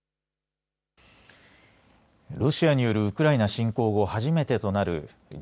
ロシアによるウクライナ侵攻後初めてとなるＧ２０